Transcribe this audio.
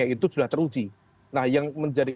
itu sudah teruji nah yang menjadi